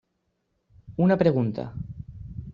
Una pregunta.